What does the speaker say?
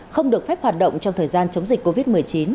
không được phép hoạt động trong thời gian chống dịch covid một mươi chín